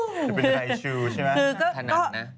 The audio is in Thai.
จะเป็นไรชูใช่ไหม